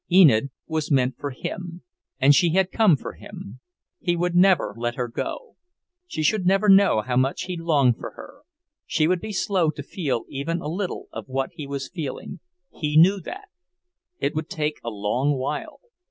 Enid was meant for him and she had come for him; he would never let her go. She should never know how much he longed for her. She would be slow to feel even a little of what he was feeling; he knew that. It would take a long while.